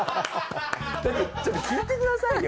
ちょっと聞いてくださいよ！